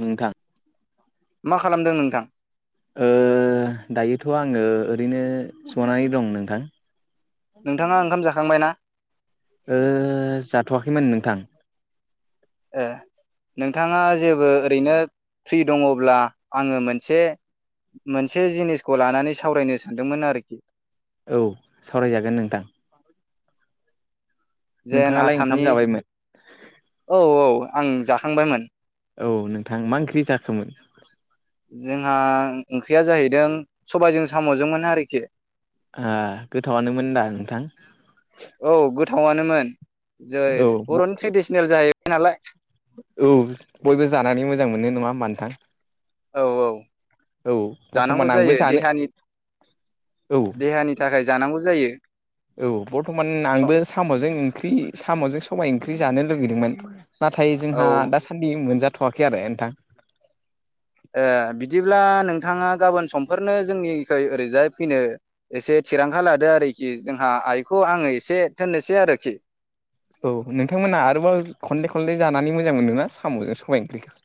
नोंथां मा खालामदों नोंथां ओ दायोथ' आङो ओरैनो जनानै दं नोंथां नोंथाङा ओंखाम जाखांबाय ना खैमोन नोंथां ओ नोंथाङा जेबो ओरैनो फ्रि दङब्ला आङो मोनसे मोनसे जिनिसखौ लानानै सावरायनो सानदोंमोन आरोखि औ सावरायजागोन नोंथां जेन नोंथाङालाय ओंखाम आसामनि जाबायमोन औ औ आं जाखांबायमोन औ नोंथां मा ओंख्रि जाखोमोन जोंहा ओंख्रिया जाहैदों सबायाइजों साम'जोंमोन आरोखि आ गोथावआनोमोन दा नोंथां थावानोमोन औ बर'नि ट्रेदिसनेल जाहै नालाय औ बयबो जानानै मोजां मोनो नङा होमबा नोंथां औ औ औ जानांगौ बर्थमान आंबो जायो जानो देहानि औ देहानि थाखाय जानांगौ जायो औ बर्थमान स आंबो साम'जों ओं ख्रि साम'जों सबाय ओंख्रि जानो लुगैदोंमोन नाथाय जोंहा औ दासान्दि मोनजा थ'वाखै आरो नोंथां ओ बिदिब्ला नोंथाङा गाबोन समफोरनो जोंनिखै ओरैजाय फैनो एसे थिरांथा लादो आरोखि जोंहा आइखौ आङो एसे थोननोसै आरोखि औ नोंथांमोना आरोबाव खनले खनले जानानै मोजां मोनदों ना साम'जों सबबाय ओंख्रिखौ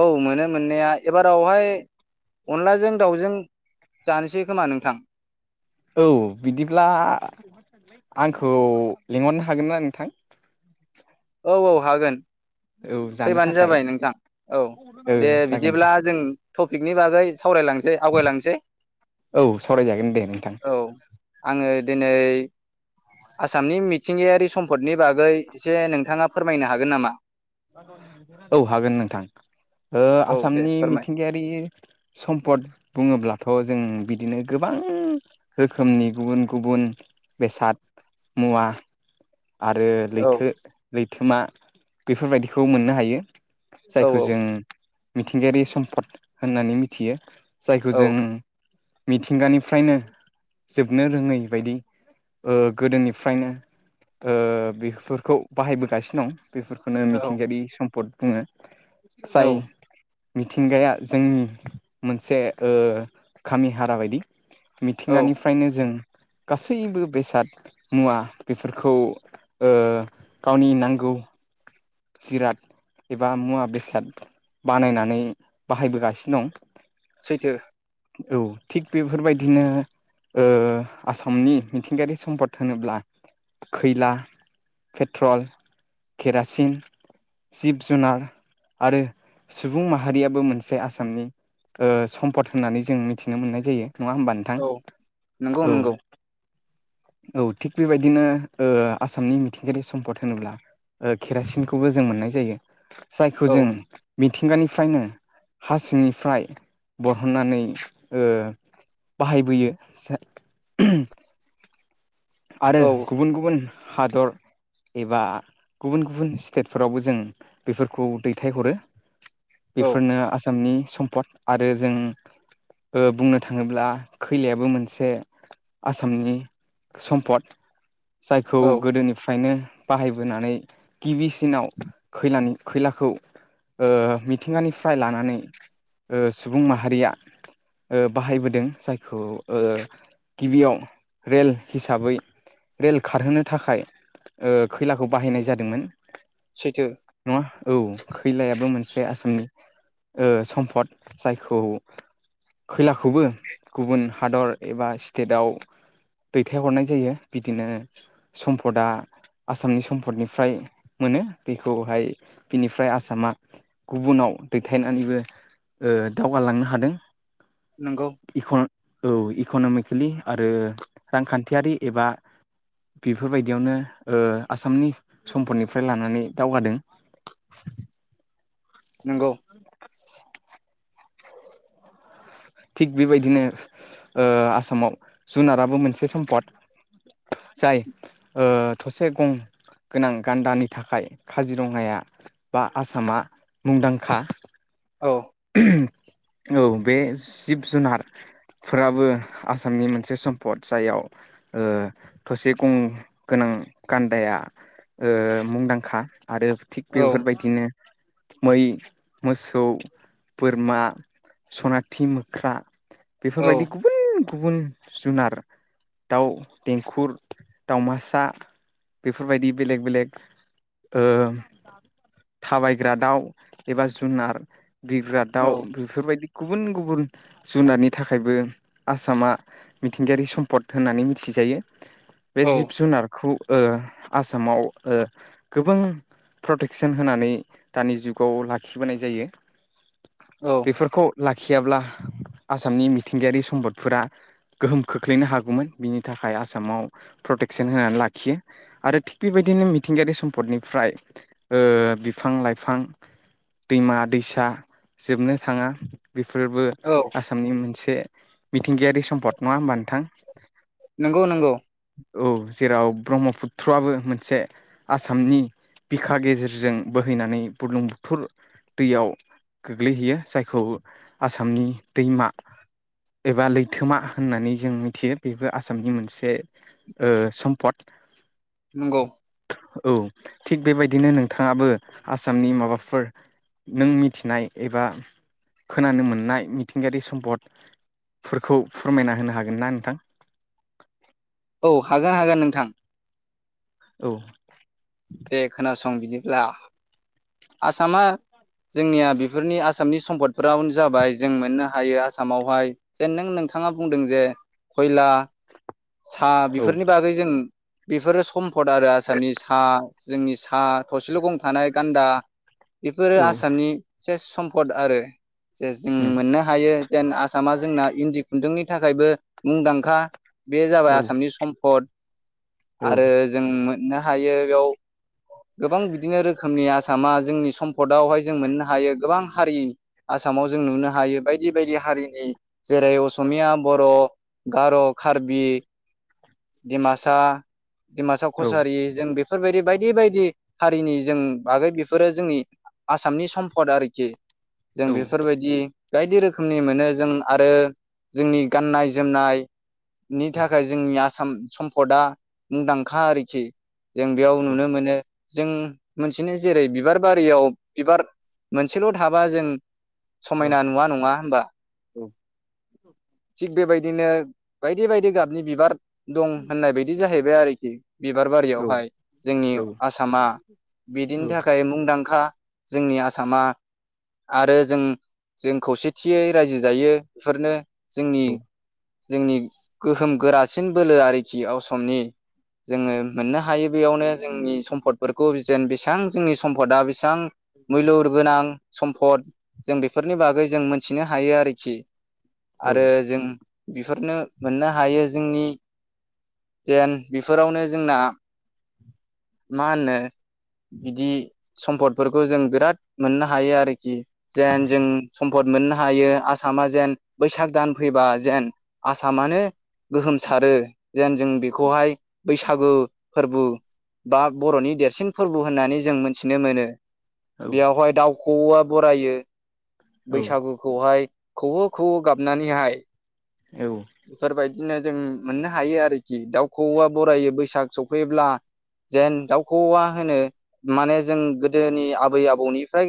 औ मोनो मोननाया एबारावहाय अनलाजों दाउजों जानोसै खोमा नोंथां औ बिदिब्ला आंखौ लिंहरनो हागोन ना नोंथां औ औ हागोन औ जानो फैबानो थाखाय जाबाय नोंथां औ दे ओ जागोन दे बिदिब्ला जों टपिकनि बागै सावरायलांसै आवगायलांसै औ सरायजागोन दे नोंथां औ आङो दिनै आसामनि मिथिंगायारि सम्फदनि बागै एसे नोंथाङा फोरमायनो हागोन नामा औ हागोन नोंथां ओ औ दे आसामनि फोरमाय मिथिंगायारि सम्पद बुङोब्लाथ' जों बिदिनो गोबां रोखोमनि गुबुन गुबुन बेसाद मुवा आरो औ लैथो लै थोमा बेफोरबायदिखौ मोननो हायो औ जायखौ जों मिथिंगायारि सम्पद होननानै मिथियो जायखौ औ जों मिथिंगानिफ्रायनो जोबनो रोङै बायदि ओ गोदोनिफ्रायनो ओ बेफोरखौ बाहायबोगासिनो दं बेफोरखौ बेनो औ मिथिंगायारि सम पद बुङो जाय औ मिथिंगाया जोंनि मोनसे ओ खामि हारा बायदि औ मिथिंगानिफ्रायनो जों गासैबो बेसाद मुवा बेफोरखौ गावनि नांगौ जिराद एबा मुवा बेसाद बानायनानै बाहायबोगासिनो दं सैथो औ थिग बेफोरबायदिनो आसामनि मिथिंगायारि सम्पद होनोब्ला खैला पेट्रल केरासिन जिब जुनार आरो सुबुं माहारियाबो मोनसे आसामनि ओ सम्पद होननानै जों मिथिनो मोननाय जायो नङा होमबा नोंथां औ नंगौ औ नंगौ औ थिग बेबायदिनो ओ आसामनि मिथिंगायारि सम्पद होनोब्ला केरासिन खौबो जों मोननाय जायो। जायखौ औ जों मि मिथिंगानिफ्रायनो हासिंनिफ्राय बरहननानै ओ बाहायबोयो। आरो औ गुबुन गुबुन हादर एबा गुबुन गुबुन स्टेटफोरावबो जों बेफोरखौ दैथायहरो। औ बेफोरनो आसामनि सम्पद आरो ओ जों बुंनो थाङोब्ला खैलायाबो मोनसे आसामनि सम्पद। जायखौ औ गोदोनिफ्रायनो बाहायबोनानै गिबि दिनाव खैलानि खैलाखौ ओ मिथिंगानिफ्राय लानानै ओ सुबुं माहारिया ओ बाहायबोदों ओ जायखौ गिबियाव रेल हिसाबै रेल खारहोनो थाखाय ओ खैलाखौ बाहायनाय जादोंमोन। सैथो नङा औ खैलायाबो मोनसे बे आसामनि ओ सम्फद जायखौ खैलाखौबो गुबुन हादर एबा स्टेटाव दैथायहरनाय जायो बिदिनो सम्पदा आसामनि सम्पदनिफ्राय मोनो दैखौहाय बिनिफ्राय आसामा गुबुनाव दैथायनानैबो ओ दावगालांनो हादों। नंगौ। इकन औ इक'न'मिकेलि आरो रांखान्थियारि एबा बेफोरबायदियावनो ओ आसामनि सम्पदनिफ्राय लानानै दावगादों। नंगौ। थिग बेबायदिनो ओ आसामाव जुनाराबो मोनसे सम्पद जाय ओ थसे गं गोनां गान्दानि थाखाय काजिरङाया बा आसामा मुंदांखा। औ। औ औ बे जिब जुनारफोराबो आसामनि मोनसे सम्पद जायाव ओ थसे गं गोनां गान्दाया ओ मुंदांखा। आरो थिग औ बेफोर बायदिनो। मै, मोसौ बोरमा सनाथि मोख्रा बेफोर बायदि गुबुन गुबुन जुनार दाउ देंखुर दावमासा बेफोरबायदि बेलेग बेले ओ थाबायग्रा दाउ एबा जुनार बिरग्रा दाउ औ बेफोर बायदि गुबुन गुबुन जुनारनि थाखायबो आसामा मिथिंगायारि सम्पद होननानै मिथि जायो। बे औ जिब जुनारखौ ओ आसामाव ओ गोबां प्रटेकसन होनानै दानि जुगाव लाखिबोनाय जायो। औ बेफोरखौ लाखियाब्ला आसामनि मिथिंगायारि सम्पदफोरा गोहोम खोख्लैनो हागौमोन बिनि थाखाय आसामाव प्रटेकसन होनानै लाखियो आरो थिग बेबायदिनो मिथिंगायारि सम्पदनिफ्राय ओ बिफां लाइफां दैमा- दैसा जोबनो थाङा। बेफोरबो औ आसामनि मोनसे मोनसे मिथिंगायारि सम्पद नङा होमबा नोंथां नंगौ नंगौ औ जेराव ब्रह्मपुत्रआबो मोनसे आसामनि बिखा गेजेरजों बोहैनानै बुरलुं बुथुर दैयाव गोग्लैहैयो जायखौ आसामनि दैमा एबा लैथोमा होननानै जों मिथियो बेबो आसामनि मोनसे सम्पद नंगौ औ थिग बेबायदिनो नोंथाङाबो आसामनि माबाफोर नों मिथिनाय एबा खोनानो मोननाय मिथिंगायारि सम्पदफोरखौ फोरमायना होनो हागोन ना नोंथां औ हागोन हागोन नोंथां औ दे खोनासं बिदिब्ला आसामा जोंनिया बेफोरनि आसामनि सम्पदफोरावनो जाबाय जों मोननो हायो आसामावहाय जेन नों नोंथाङा बुंदों जे खयला साहा औ बेफोरनि बागै जों बेफोरो सम्पद आरो आसामनि सा जोंनि सा थसेल' गं थानाय गान्दा बेफोरो औ आसामनि सेस सम फद आरो जे जों उम मोननो हायो जेन आसामा जोंना इन्दि खुन्दुंनि थाखायबो मुंदांखा बे जाबाय औ आसामनि सम्फद औ आरो जों मोननो बेयाव गोबां बिदिनो रोखोमनि आस मा जोंनि सम्पदआवहाय जों मोननो हायो गोबां हारि आसामाव जों नुनो हायो बायदि बायदि हारिनि जेरै असमिया बर' गार' खार्बि डिमासा डिमासा औ कसारि जों बे बेफोरबायदि बायदि बायदि हारिनि जों आगै बेफोरो जोंनि आसामनि सम्पद आरोखि जों औ बेफोरबायदि बायदि रोखोमनि मोनो जों आरो जोंनि गाननाय जोमनाय नि थाखाय जोंनि आसाम सम सम्पदा मुंदांखा आरोखि जों बेयाव औ नुनो मोनो जों मोनसेनो जेरै बिबार बारियाव बिबार मोनसेल' थाबा जों औ औ समायना नुवा नङा होमबा थिग बेबायदि बिदिनो बायदि बायदि गाबनि बिबार दं होननाय बायदि जाहैबाय आरोखि बिबार औ बारियावहाय जोंनि आसामा बिदिनो मुंदांखा जोंनि आसामा आरो जों जों खौसेथियै रायजो जायो बेफोरनो जोंनि औ जोंनि गोहोम गोरासिन बोलो आरोखि असमनि जोङो मोननो हायो बेयावनो जोंनि सम्पदफोरखौ जेन बेसां जोंनि सम्पदा बेसे थां मुलुर गोनां सम्फद जों बेफोरनि बागै जों मोनथिनो हायो आरोखि आरो जों बेफोरनो मोननो हायो जोंनि जेन बेफोरावनो जोंना मा होनो बिदि सम्फदफोरखौ जों बिराद मोननो हायो आरोखि जेन जों सम फट मोननो हायो आसामा जेन बैसाग दान फैबा जेन आसामानो गोहोमसारो जेन जों बेखौहाय बैसागु फोरबो बा बर'नि देरसिन फोरबो बो होननानै जों मोनथिनो मोनो बेयावहाय दाउ खौऔवा बरायो बैसागुखौहाय खौऔ खौऔ गाबनानैहाय बेफोरबायदि बिदिनो जों मोननो हायो आरोखि दाउखौवा बरायो बैसाग सफैयोब्ला जेन दाउखौवा होनो माने जों गोदोनि आबै आबौनिफ्राय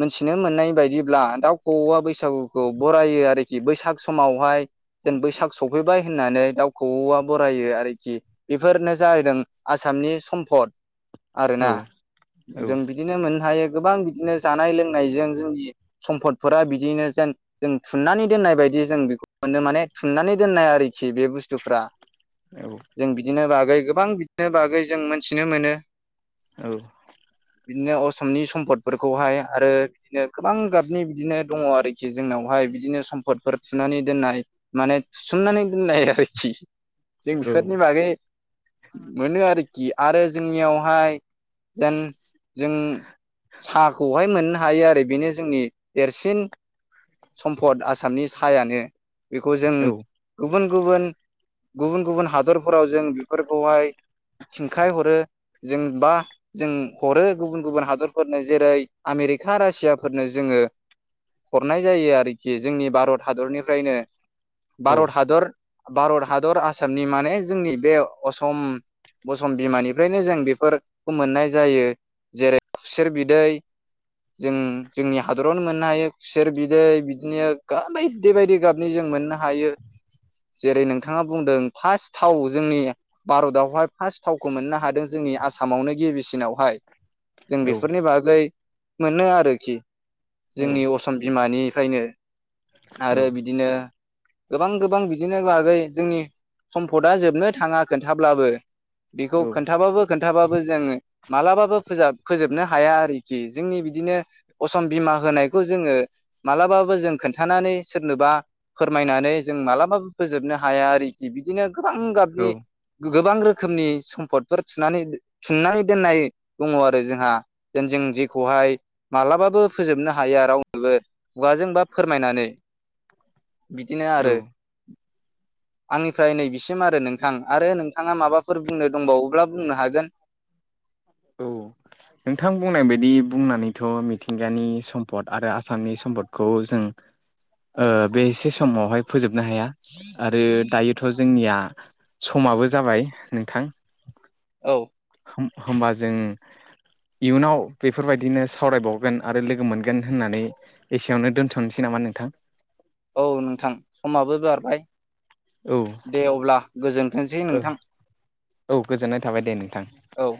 मोनथिनो मोननाय बायदि ब्ला दाउखौवा बैसागुखौ बरायो आरोखि बैसाग समावहाय जेन बैसाग सफैबाय होननानै दाउखौ औवा बरायो आरोखि बेफोरनो जाहैदों आसामनि सम्फद आरोना जों बिदिनो मोननो हायो गोबां बिदिनो जानाय लोंनायजों जोंनि सम्फदफोरा बिदिनो जेन जों थुननानै दोननाय बायदि जों बेखौ मोनो माने थुननानै दोननाय आरोखि बे बुस्थुफ्रा जों बिदिनो बा बागै गोबां बिदिनो बागै जों मोनथिनो मोनो औ बिदिनो असमनि सम्पदफोरखौहाय आरो बिदिनो गोबां गाब बिदिनो बिदिनो दङ आरोखि जोंनावहाय बिदिनो सम्फद फोर फुनानै दोननाय माने सुननानै दोननाय आरोखि जों बेफोरनि बागै मोनो आरोखि आरो जोंनियावहाय जेन जों साहाखौहाय मोननो हायो आरो बेनो जोंनि देरसिन सम्फद आसामनि सायानो बेखौ जों गुबु गुबुन गुबुन गुबुन गुबुन हादरफोराव जों बेफोरखौहाय थिंखायहरो जों बा जों हरो गुबुन गुबुन हादरफोरनो जेरै आमेरिका रासियाफोरनो जोङो हरनाय जायो आरोखि जोंनि भारत हादरनिफ्रायनो भारत हादर भारत हादर आसामनि माने जोंनि बे असम बसम बिमानिफ्रायनो जों बेफोरखौ मोननाय जायो जेरै खुसेर बिदै जों जोंनि हादर मोननो हायो खुसेर बिदै बिदिनो गा बायदि बायदि गाबनि जों मोननो हायो जेरै नोंथाङा बुंदों फार्स्ट थाव जोंनि भारतआवहाय फार्स्ट थावखौ मोननो हादों जोंनि आसामावनो गिबिसिनावहाय जों बेफोरनि बागै मोनो आरोखि जोंनि असम बिमानि खायनो आरो बिदिनो गोबां गोबां बिदिनो बागै जोंनि सम्पदा जोबनो थाङा खोन्थाब्लाबो बेखौ औ खोनथाबाबो खोन खोनथाबो जोङो मालाबाबो फोजाब फोजोबनो हाया आरोखि जोंनि बिदिनो अस बिमा होनायखौ जोङो मालाबाबो जों खोन्थानानै सोरनोबा फोरमायनानै जों मालाबाबो फोजोबनो हाया आरोखि बिदिनो गोबां औ गाबनि गो गोबां रोखोमनि सम्फदफोर थुनानै थुननानै दोननाय दङ आरो जोंहा जेन जों जेखौहाय मालाबाबो फोजोबनो हाया रावनोबो खुगाजों बा फोरमायनानै बिदिनो औ आरो आंनिफ्राय नैबिसिम आरो नोंथां आरो नोंथाङा माबाफोर बुंनो दंबावोब्ला बुंनो हागोन औ नोंथां बुंनाय बायदि बुंनानैथ' मिथिंगानि सम्पद आरो आसामनि सम्पदखौ जों ओ बे एसे समावहाय फोजोब नो हाया आरो दायोथ' जोंनिया समाबो जाबाय नोंथां औ होनोमबा जों इयुनाव बेफोरबायदिनो सावरायबावगोन आरो लोगो मोनगोन होननानै एसेयावनो दोन्थ'नोसै नामा नोंथां औ नोंथां समाबो बारबाय औ दे अब्ला गोजोनथोंसै औ नोंथां औ गोजोननाय थाबाय दे नोंथां औ